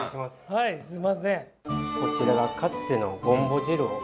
はいすいません。